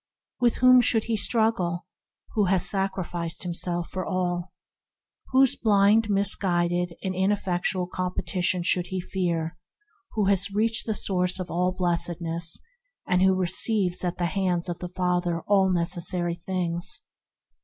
With whom should he struggle who has sacrificed him self for all ? Whose blind, misguided, and ineffectual competition should he fear who has reached the source of all blessedness, and who receives at the hands of the Father all necessary things